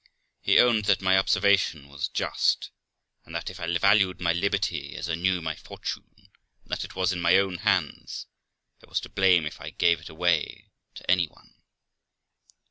He owned that my observation was just, and that, if I valued my liberty, as I knew my fortune, and that it was in my own hands, I was to blame if I gave it away to any one.